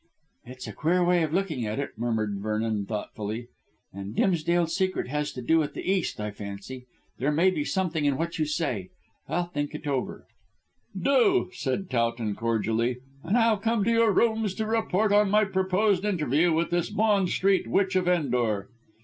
"It's a queer way of looking at it," murmured Vernon thoughtfully, "and Dimsdale's secret has to do with the East, I fancy. There may be something in what you say. I'll think it over." "Do," said Towton cordially, "and I'll come to your rooms to report on my proposed interview with this Bond Street Witch of Endor."